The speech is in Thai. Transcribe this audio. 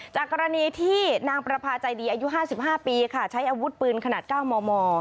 จากกรณีที่นางประพาใจดีอายุ๕๕ปีค่ะใช้อาวุธปืนขนาด๙มม